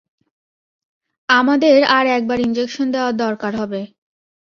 আমাদের আর একবার ইনজেকশন দেওয়ার দরকার হবে।